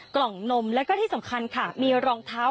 กล่องนมแล้วก็ที่สำคัญค่ะมีรองเท้า